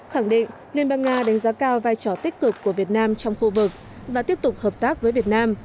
khẳng định liên bang nga đánh giá cao vai trò tích cực của việt nam trong khu vực và tiếp tục hợp tác với việt nam